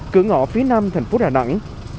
cửa ngõ phía nam thành phố đà nẵng